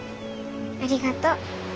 ありがとう。